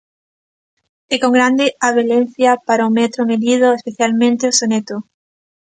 E con grande habelencia para o metro medido, especialmente o soneto.